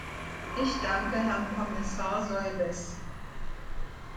Ich danke Herrn Kommissar Solbes.